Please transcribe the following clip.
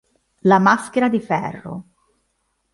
La maschera di ferro